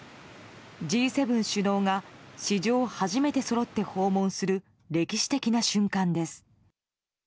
Ｇ７首脳が史上初めてそろって訪問する歴史的な瞬間です。